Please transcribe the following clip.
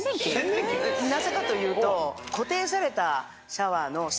なぜかというと。